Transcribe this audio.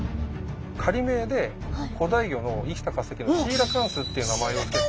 仮名で古代魚の生きた化石のシーラカンスっていう名前を付けて。